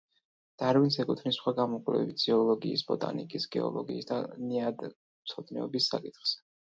დარვინს ეკუთვნის სხვა გამოკვლევებიც ზოოლოგიის, ბოტანიკის, გეოლოგიის და ნიადაგთმცოდნეობის საკითხებზე.